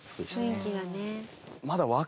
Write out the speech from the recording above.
雰囲気がね。